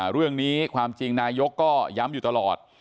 เรื่องนี้ความจริงนายกก็ย้ำอยู่ตลอด